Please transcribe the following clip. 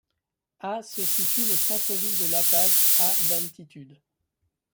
À se situe le centre ville de La Paz, à d'altitude.